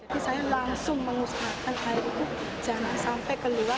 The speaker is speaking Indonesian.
jadi saya langsung mengusahakan air itu jangan sampai keluar